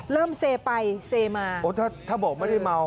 เซไปเซมาโอ้ถ้าถ้าบอกไม่ได้เมา